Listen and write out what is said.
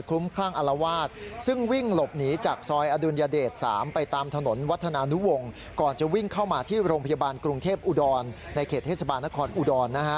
โรงพยาบาลกรุงเทพอุดรในเขตเทศบาลนครอดอุดร